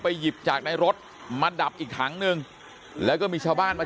หยิบจากในรถมาดับอีกถังหนึ่งแล้วก็มีชาวบ้านมา